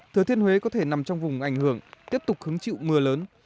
thừa thiên huế có thể nằm trong vùng ảnh hưởng tiếp tục hứng chịu mưa lớn